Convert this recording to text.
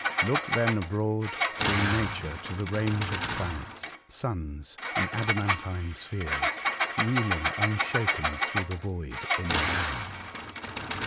Look then abroad through nature to the range of planets, suns, and adamantine spheres, wheeling unshaken through the void immense.